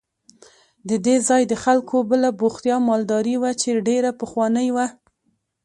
د دې ځای د خلکو بله بوختیا مالداري وه چې ډېره پخوانۍ وه.